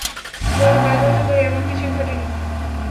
গত পাঁচ বছর ধরে, এমন কিছুই ঘটেনি।